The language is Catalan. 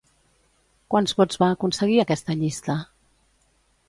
Quants vots va aconseguir aquesta llista?